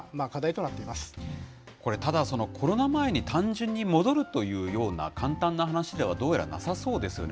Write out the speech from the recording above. これ、ただコロナ前に単純に戻るというような簡単な話では、どうやらなさそうですよね。